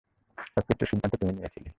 সবকিছুর সিদ্ধান্ত তুমি নিয়েছিলে।